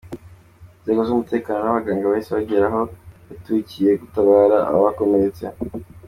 Inzego z’umutekano n’abaganga bahise bagera aho yaturikiye gutabara abakomeretse.